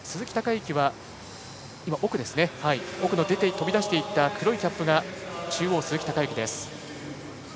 飛び出していった黒いキャップが中央、鈴木孝幸です。